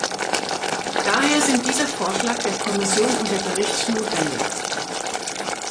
Daher sind dieser Vorschlag der Kommission und der Bericht notwendig.